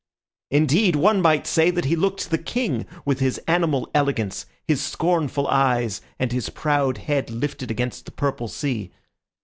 Indeed, one might say that he looked the king, with his animal elegance, his scornful eyes, and his proud head lifted against the purple sea.